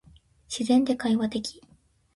自然で会話的